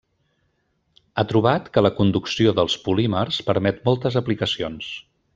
Ha trobat que la conducció dels polímers permet moltes aplicacions.